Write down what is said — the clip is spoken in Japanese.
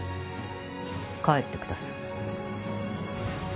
帰ってください。